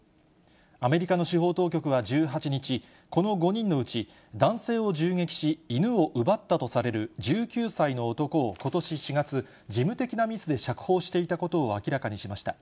アメリカの司法当局は１８日、この５人のうち、男性を銃撃し、犬を奪ったとされる１９歳の男をことし４月、事務的なミスで釈放していたことを明らかにしました。